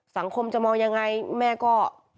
สังคมจะมองยังไงแม่ก็